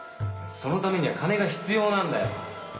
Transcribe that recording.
そのためには金が必要なんだよ。